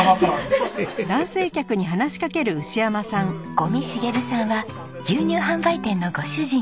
五味滋さんは牛乳販売店のご主人。